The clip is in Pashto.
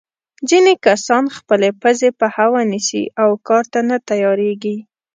ځینې کسان خپلې پزې په هوا نیسي او کار ته نه تیارېږي.